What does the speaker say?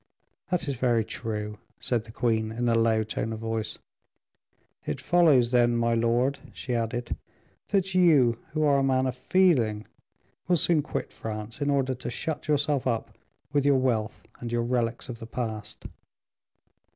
"That is very true," said the queen, in a low tone of voice. "It follows, then, my lord," she added, "that you, who are a man of feeling, will soon quit France in order to shut yourself up with your wealth and your relics of the past."